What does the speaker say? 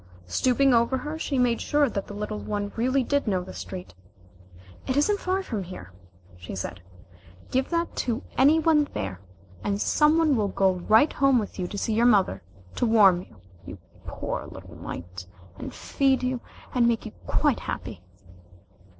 Stooping over her she made sure that the little one really did know the street. "It isn't far from here," she said. "Give that to any one there, and somebody will go right home with you to see your mother, to warm you, you poor little mite, and feed you, and make you quite happy."